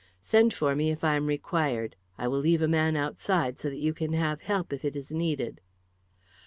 Send for me if I am required. I will leave a man outside, so that you can have help, if it is needed."